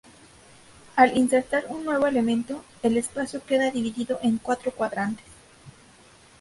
Al insertar un nuevo elemento, el espacio queda divido en cuatro cuadrantes.